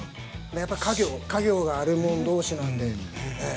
やっぱ家業があるもん同士なんでええ。